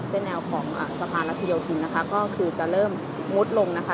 แนวของสะพานรัชโยธินนะคะก็คือจะเริ่มงดลงนะคะ